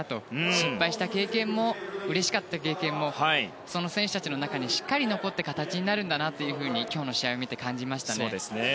失敗した経験もうれしかった経験もその選手たちの中にしっかり残って形になるんだなというふうに今日の試合を見て感じました。